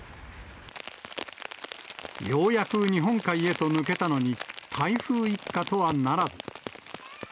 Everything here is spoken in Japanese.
ようやく日本海へと抜けたのに、台風一過とはならず。